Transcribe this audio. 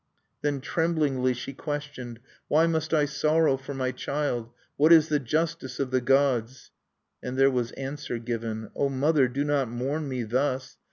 Then tremblingly she questioned: "Why must I sorrow for my child? What is the justice of the gods?" And there was answer given: "O mother, do not mourn me thus!